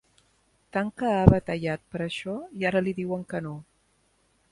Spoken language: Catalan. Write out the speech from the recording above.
Tant que ha batallat per això, i ara li diuen que no.